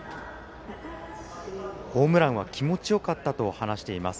ホームランは気持ちよかったと話しています。